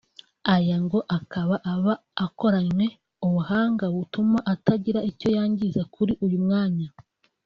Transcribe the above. aya ngo akaba aba akoranywe ubuhanga butuma atagira icyo yangiza kuri uyu mwanya